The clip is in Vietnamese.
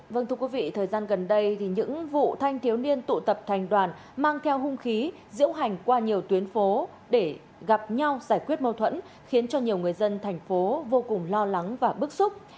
vâng thưa quý vị thời gian gần đây những vụ thanh thiếu niên tụ tập thành đoàn mang theo hung khí diễu hành qua nhiều tuyến phố để gặp nhau giải quyết mâu thuẫn khiến cho nhiều người dân thành phố vô cùng lo lắng và bức xúc